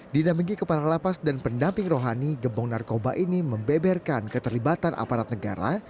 dinaminggi kepala lapas dan pendamping rohani gembong narkoba ini membeberkan keterlibatan aparat negara